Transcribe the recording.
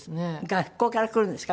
学校から来るんですか？